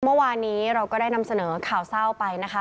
เมื่อวานนี้เราก็ได้นำเสนอข่าวเศร้าไปนะคะ